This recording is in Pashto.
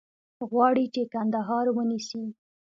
غواړي چې کندهار ونیسي.